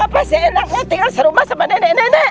apa sih enaknya tinggal di rumah sama dede nene